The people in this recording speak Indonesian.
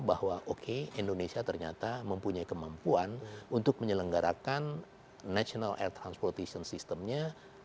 bahwa oke indonesia ternyata mempunyai kemampuan untuk menyelenggarakan national air transportation systemnya